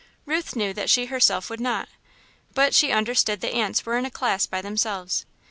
Ruth knew that she herself would not, but she understood that aunts were in a class by themselves.